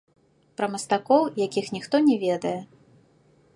Пра мастакоў, якіх ніхто не ведае.